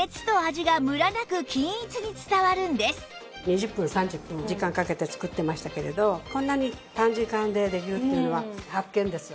バルブを上げると２０分３０分時間かけて作ってましたけれどこんなに短時間でできるっていうのは発見です